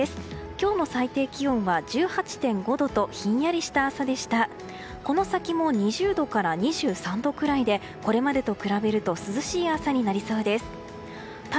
今日の最低気温は１８．５度とひんやりした朝でした。